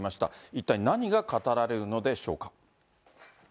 一体何が語られるのでしょうか。